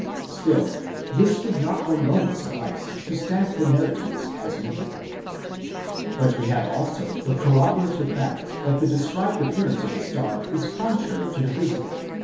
Still this would not alone suffice to stamp the narratives as mythical. But we have also the corrobora tive facts that the described appearance of the star is contrary to the physical, 90 INTRODUCTION.